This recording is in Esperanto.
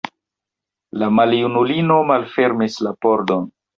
La maljunulino malfermis la pordon.